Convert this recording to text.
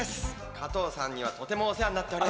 加藤さんにはとてもお世話になっております。